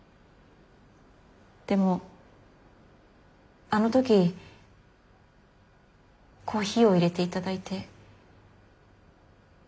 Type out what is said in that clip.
でもあの時コーヒーをいれて頂いて。